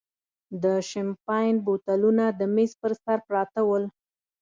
د شیمپین بوتلونه د مېز پر سر پراته ول.